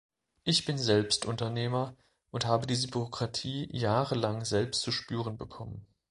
Ich bin selbst Unternehmer und habe diese Bürokratie jahrelang selbst zu spüren bekommen.